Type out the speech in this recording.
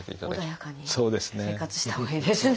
穏やかに生活してたほうがいいですね。